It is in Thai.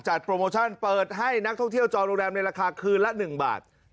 โปรโมชั่นเปิดให้นักท่องเที่ยวจอโรงแรมในราคาคืนละ๑บาท